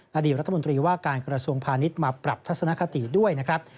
อดีตรัฐมนตรีว่าการกระทรวงพาณิชย์มาปรับทัศนคติด้วยนะครับ